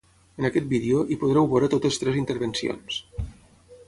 En aquest vídeo, hi podreu veure totes tres intervencions.